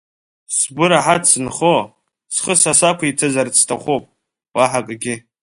Сгәы раҳаҭ сынхо, схы са сақәиҭзарц сҭахуп, уаҳа акгьы.